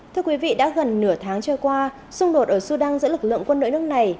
thưa quý vị đã gần nửa tháng trôi qua xung đột ở sudan giữa lực lượng quân đội nước này